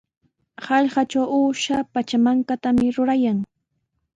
Hallqatraw uusha pachamankatami rurayan.